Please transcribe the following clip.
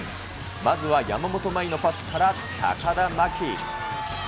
まずは、山本麻衣のパスから高田真希。